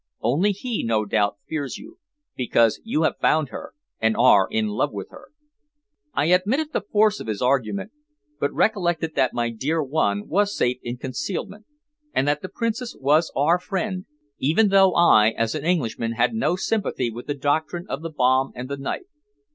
Only he, no doubt, fears you, because you have found her, and are in love with her." I admitted the force of his argument, but recollected that my dear one was safe in concealment, and that the Princess was our friend, even though I, as an Englishman, had no sympathy with the doctrine of the bomb and the knife.